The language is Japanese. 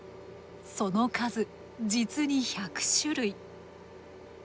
その数実に１００種類。